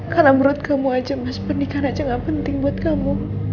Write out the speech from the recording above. karena menurut kamu aja mas pernikahan aja gak penting buat kamu